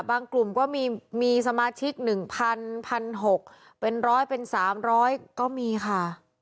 กลุ่มก็มีสมาชิก๑๐๐๑๖๐๐เป็น๑๐๐เป็น๓๐๐ก็มีค่ะ